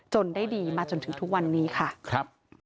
จนได้ดีมาจนถึงทุกวันนี้ค่ะ